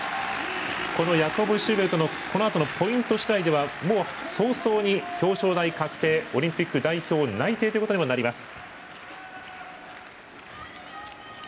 ヤコブ・シューベルトのこのあとのポイント次第ではもう早々に表彰台確定オリンピック代表内定ということにもなります。